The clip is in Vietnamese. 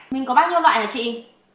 mình có bao nhiêu loại hả chị